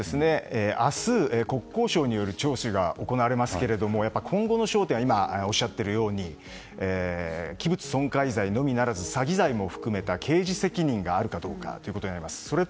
明日、国交省による聴取が行われますけれども今後の焦点は器物損壊罪のみならず詐欺罪も含めた刑事責任があるかどうかということになると思います。